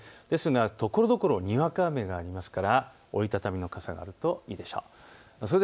ですがところどころにわか雨がありますから折り畳みの傘があるといいでしょう。